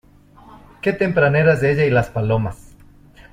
Qué tempraneras ella y las palomas.